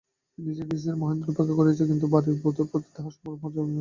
নিজের স্ত্রীকে মহেন্দ্র উপেক্ষা করিয়াছে, কিন্তু বাড়ির বধূর প্রতি তাহার সম্ভ্রম জন্মিল।